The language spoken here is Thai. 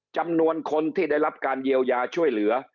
จำนวนคนที่ได้รับการเยียวยาช่วยเหลือ